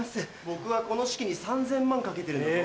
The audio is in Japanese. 僕はこの式に３０００万かけてるんだぞ。